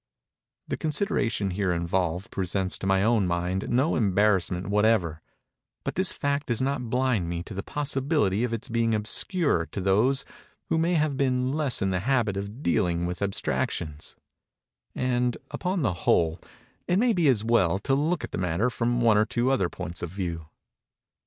Page 44. The consideration here involved presents to my own mind no embarrassment whatever—but this fact does not blind me to the possibility of its being obscure to those who may have been less in the habit of dealing with abstractions:—and, upon the whole, it may be as well to look at the matter from one or two other points of view.